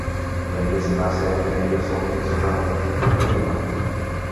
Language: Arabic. لم يسمع سامي أيّ صوت صدر من تلك الخيمة.